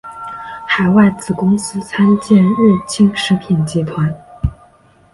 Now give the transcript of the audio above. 海外子公司参见日清食品集团。